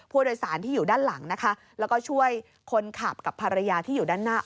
ผู้โดยสารที่อยู่ด้านหลังนะคะแล้วก็ช่วยคนขับกับภรรยาที่อยู่ด้านหน้า